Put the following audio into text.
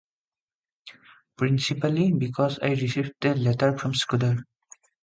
Principally because I received a letter from Scudder.